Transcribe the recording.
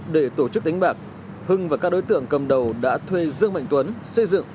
để tổ chức đánh bạc hưng và các đối tượng cầm đầu đã thuê dương mạnh tuấn xây dựng